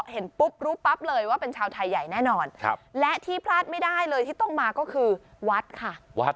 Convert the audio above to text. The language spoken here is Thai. เห็นปุ๊บรู้ปั๊บเลยว่าเป็นชาวไทยใหญ่แน่นอนและที่พลาดไม่ได้เลยที่ต้องมาก็คือวัดค่ะ